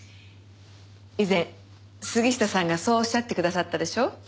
以前杉下さんがそうおっしゃってくださったでしょう？